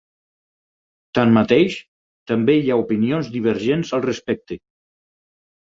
Tanmateix, també hi ha opinions divergents al respecte.